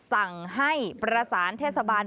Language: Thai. สั่งให้ประสานเทศบาล